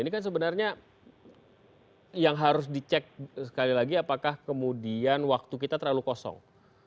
ini kan sebenarnya yang harus dicek sekali lagi apakah kemudian waktu kita terlalu kosong